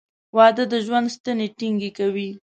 • واده د ژوند ستنې ټینګې کوي.